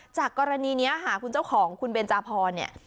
จากกรณีนี้ค่ะคุณเจ้าของคุณเบนจาพรเนี่ย